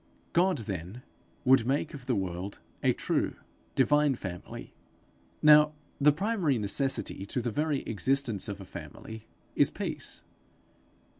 God, then, would make of the world a true, divine family. Now the primary necessity to the very existence of a family is peace.